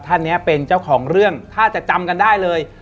ท่านนี้เป็นเจ้าของเรื่องถ้าจะจำกันได้เลย